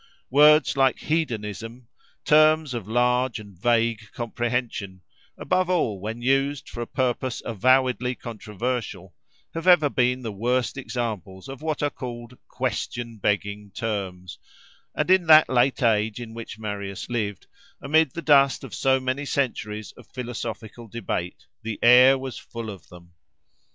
Words like "hedonism"— terms of large and vague comprehension—above all when used for a purpose avowedly controversial, have ever been the worst examples of what are called "question begging terms;" and in that late age in which Marius lived, amid the dust of so many centuries of philosophical debate, the air was full of them.